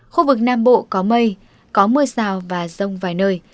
khu vực nam bộ có mây có mưa rào và rông vài nơi